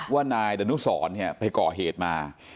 ว่านายดนุสรไปก่อเหตุมา